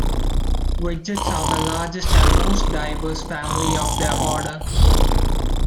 Ridgeheads are the largest and most diverse family of their order.